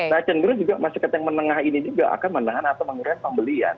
nah cenderung juga masyarakat yang menengah ini juga akan menahan atau mengurangi pembelian